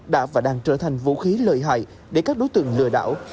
đã và đang trở thành vũ khí lợi hại để các đối tượng lừa đảo